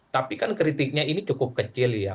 tapi kan kritiknya ini cukup kecil ya